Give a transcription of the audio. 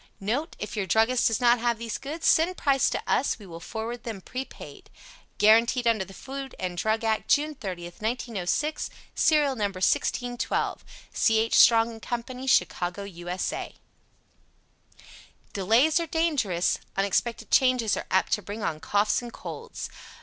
NOTE. If your druggist does not have these goods, send price to us. We will forward them prepaid. Guaranteed under the Food and Drug Act, June 30, 1906. Serial No. 1612 C. H. STRONG & CO., Chicago, U. S. A. Delays are dangerous unexpected changes are apt to bring on Coughs and Colds.